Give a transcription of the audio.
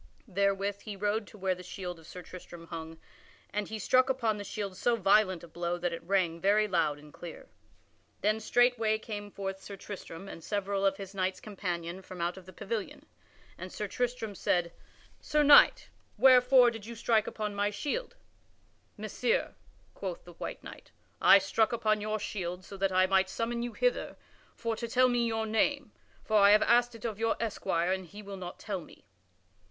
Therewith he rode to where the shield of Sir Tristram hung, and he struck upon the shield so violent a blow that it rang very loud and clear. Then straightway came forth Sir Tristram and several of his knights companion from out of the pavilion, and Sir Tristram said, "Sir Knight, wherefore did you strike upon my shield?" "Messire," quoth the white knight, "I struck upon your shield so that I might summon you hither for to tell me your name, for I have asked it of your esquire and he will not tell me."